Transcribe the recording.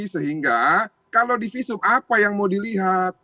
sehingga kalau di visum apa yang mau dilihat